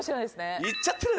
ヤッちゃってる。